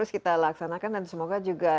terus kita laksanakan dan semoga juga